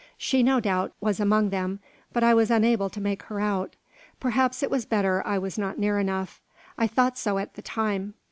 She no doubt was among them, but I was unable to make her out. Perhaps it was better I was not near enough. I thought so at the time.